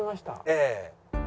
ええ。